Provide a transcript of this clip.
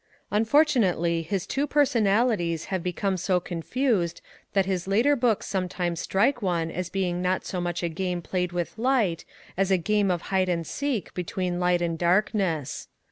Unfortunately, his two personalities have become so confused that his later books sometimes strike one as being not so much a game played with light as a game of hide and seek between light and darkness.